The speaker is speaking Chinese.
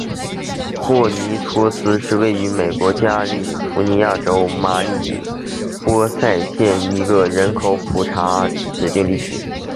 霍尼托斯是位于美国加利福尼亚州马里波萨县的一个人口普查指定地区。